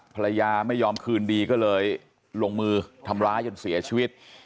ภรรยาไม่ยอมคืนดีก็เลยลงมือทำร้ายจนเสียชีวิต